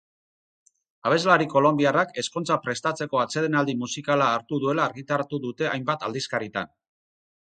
Abeslari kolonbiarrak ezkontza prestatzeko atsedenaldi musikala hartu duela argitaratu dute hainbat aldizkaritan.